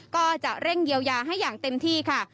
ก็จะเร่งเยียวยาให้อย่างเต็มที่ค่ะ